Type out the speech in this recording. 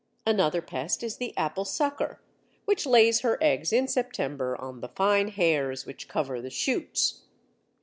Another pest is the Apple sucker, which lays her eggs in September on the fine hairs which cover the shoots.